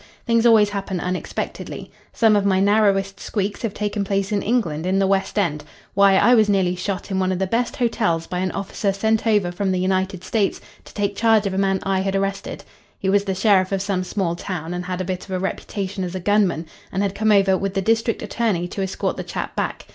Things always happen unexpectedly. Some of my narrowest squeaks have taken place in England, in the West End. Why, I was nearly shot in one of the best hotels by an officer sent over from the United States to take charge of a man I had arrested. He was the sheriff of some small town and had a bit of a reputation as a gun man, and had come over with the district attorney to escort the chap back.